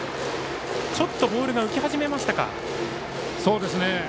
ちょっとボールが浮き始めましたか。